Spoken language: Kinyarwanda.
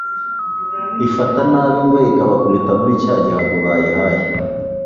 ifata ab'ingwe ibakubita muri cya gihago bayihaye